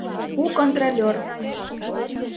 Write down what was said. У КОНТРОЛЁР